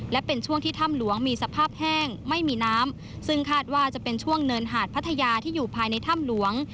และเป็นช่วงที่ถ้ำหลวงมีสภาพแห้งไม่มีน้ำซึ่งคาดว่าจะเป็นช่วงเนินหาดพัทยาที่อยู่ภายในถ้ำหลวง